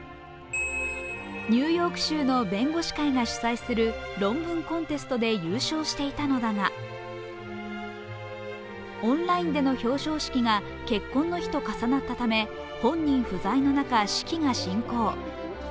ニューヨーク州の弁護士会が主催する論文コンテストで優勝していたのだがオンラインでの表彰式が結婚の日と重なったため本人不在の中、式が進行。